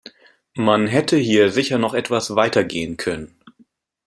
Man hätte hier sicher noch etwas weiter gehen können.